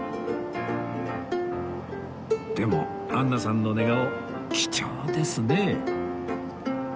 でもアンナさんの寝顔貴重ですね